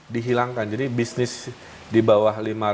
dihilangkan jadi bisnis di bawah